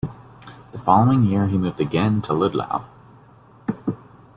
The following year he moved again to Ludlow.